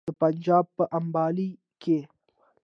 د پنجاب په امباله کې.